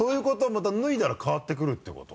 また脱いだら変わってくるってこと？